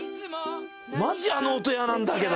マジあの音嫌なんだけど。